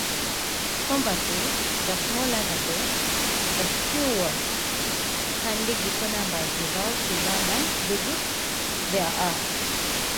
Conversely, the smaller the base, the fewer pandigital numbers without redundant digits there are.